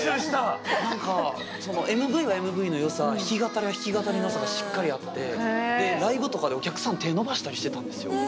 ＭＶはＭＶの良さ弾き語りは弾き語りの良さがしっかりあってでライブとかでお客さん手伸ばしたりしてたんですよ。